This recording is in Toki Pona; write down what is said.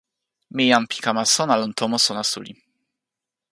mi jan pi kama sona lon tomo sona suli.